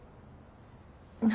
何？